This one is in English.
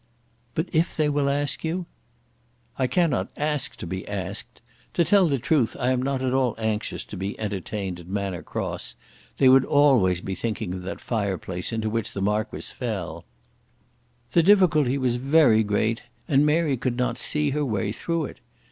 "But if they will ask you?" "I cannot ask to be asked. To tell the truth I am not at all anxious to be entertained at Manor Cross. They would always be thinking of that fireplace into which the Marquis fell." The difficulty was very great and Mary could not see her way through it.